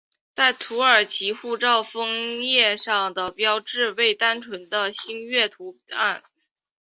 在土耳其护照封页上的标志为单纯的星月图案。